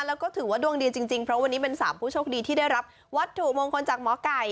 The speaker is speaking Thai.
แล้วก็ถือว่าดวงดีจริงเพราะวันนี้เป็น๓ผู้โชคดีที่ได้รับวัตถุมงคลจากหมอไก่